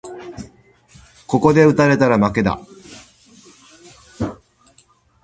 ここで打たれたら負けだ